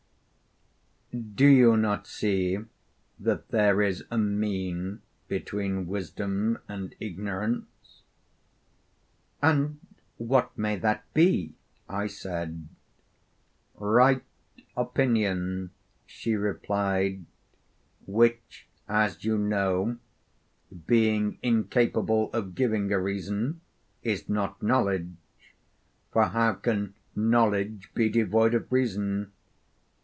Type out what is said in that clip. do you not see that there is a mean between wisdom and ignorance?' 'And what may that be?' I said. 'Right opinion,' she replied; 'which, as you know, being incapable of giving a reason, is not knowledge (for how can knowledge be devoid of reason?